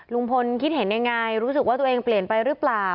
ลุงพลคิดเห็นยังไงรู้สึกว่าตัวเองเปลี่ยนไปหรือเปล่า